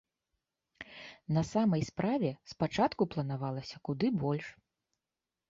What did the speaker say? На самай справе, спачатку планавалася куды больш.